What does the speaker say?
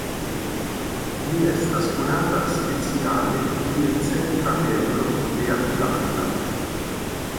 Li estas konata speciale kiel centra membro de Apulanta.